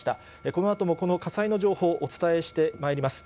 このあともこの火災の情報、お伝えしてまいります。